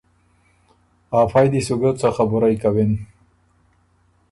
افئ دی سو ګۀ څه خبُرئ کَوِن۔